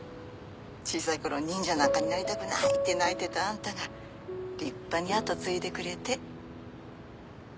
小さいころ「忍者なんかになりたくない！」って泣いてたあんたが立派に跡継いでくれて。